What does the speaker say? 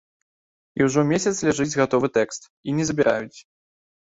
І ўжо месяц ляжыць гатовы тэкст, і не забіраюць.